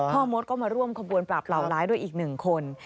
มดก็มาร่วมขบวนปราบเหล่าร้ายด้วยอีกหนึ่งคน